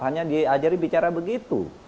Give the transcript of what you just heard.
hanya diajari bicara begitu